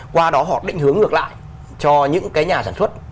qua đó họ định hướng ngược lại cho những cái nhà sản xuất